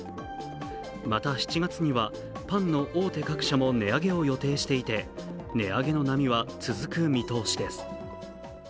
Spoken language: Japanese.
また７月にはパンの大手各社も値上げを予定していて、値上げの波は続く見通しです。